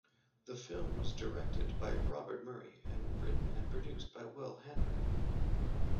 The film was directed by Robert Murray and written and produced by Will Hanrahan.